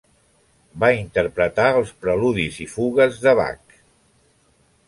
Va interpretar els Preludis i Fugues de Bach.